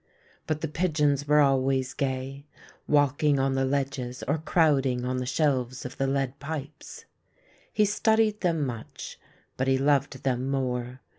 But the pigeons were always gay, walking on the ledges or crowding on the shelves of the lead pipes. He studied them much, but he loved them more.